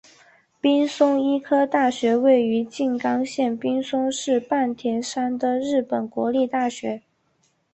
滨松医科大学位于静冈县滨松市半田山的日本国立大学。